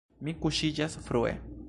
Mi kuŝiĝas frue.